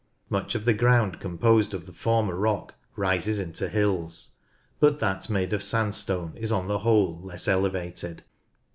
Much of the ground composed of the former rock rises into hills, but that made of sandstone is on the whole less elevated.